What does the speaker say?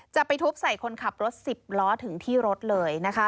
จะไปทุบใส่คนขับรถ๑๐ล้อถึงที่รถเลยนะคะ